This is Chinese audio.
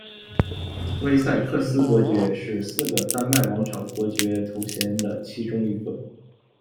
威塞克斯伯爵是四个丹麦王朝伯爵头衔的其中一个。